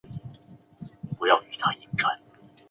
党集乡是中国山东省菏泽市成武县下辖的一个乡。